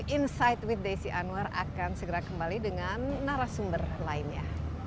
insight with desi anwar akan segera kembali dengan narasumber lainnya